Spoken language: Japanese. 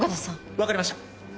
分かりました。